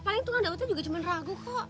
paling tukang daun tuh juga cuma ragu kok